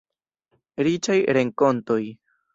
Riĉaj renkontoj.